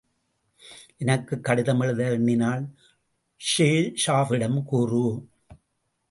எனக்குக் கடிதம் எழுத எண்ணினால் சேஷாவிடம் கூறு.